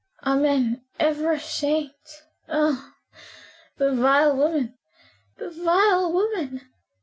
Are men ever ashamed? Ha! the vile woman! the vile woman!"